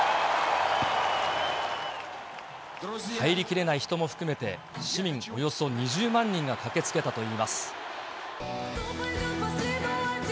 入りきれない人も含めて、市民およそ２０万人が駆けつけたといいます。